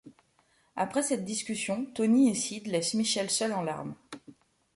Apres cette discussion, Tony et Sid laissent Michelle seule en larme.